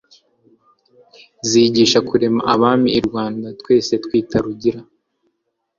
Izigisha kurema abamiI Rwanda twese twita Rugira